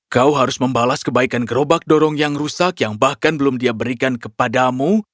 kau harus membalas kebaikan gerobak dorong yang rusak yang bahkan belum dia berikan kepadamu